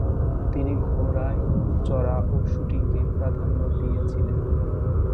তিনি ঘোড়ায় চড়া ও শুটিংকেই প্রাধান্য দিয়েছিলেন।